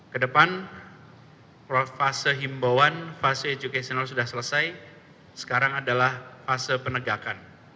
kedepan fase himbauan fase edukasional sudah selesai sekarang adalah fase penegakan